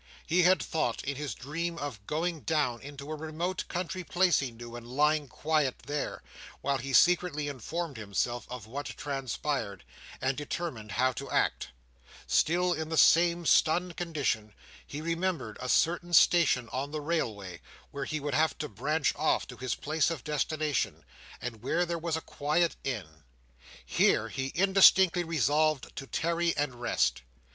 He had thought, in his dream, of going down into a remote country place he knew, and lying quiet there, while he secretly informed himself of what transpired, and determined how to act, Still in the same stunned condition, he remembered a certain station on the railway, where he would have to branch off to his place of destination, and where there was a quiet Inn. Here, he indistinctly resolved to tarry and rest.